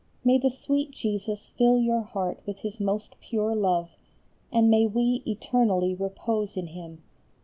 May the sweet Jesus fill your heart with His most pure love, and may we eternally repose in Him.